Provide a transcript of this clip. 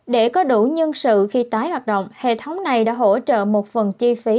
để có đủ nhân sự khi tái hoạt động hệ thống này đã hỗ trợ một phần chi phí